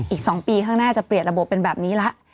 อีก๒ปีข้างหน้าจะเปลี่ยนระบบเป็นแบบนี้ละ